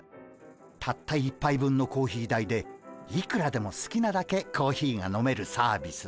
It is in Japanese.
たった１杯分のコーヒー代でいくらでもすきなだけコーヒーが飲めるサービス。